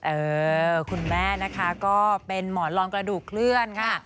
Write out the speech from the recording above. เออคุณแม่นะคะก็เป็นหมอนรองกระดูกเคลื่อนค่ะ